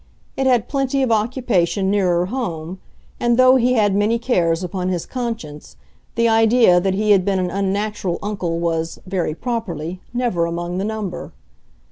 It had plenty of occupation nearer home, and though he had many cares upon his conscience the idea that he had been an unnatural uncle was, very properly, never among the number.